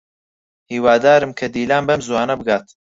هیوادارم کە دیلان بەم زووانە بگات.